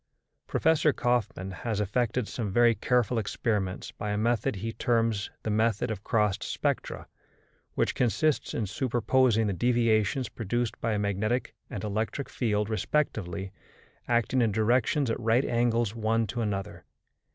Professor Kaufmann has effected some very careful experiments by a method he terms the method of crossed spectra, which consists in superposing the deviations produced by a magnetic and an electric field respectively acting in directions at right angles one to another.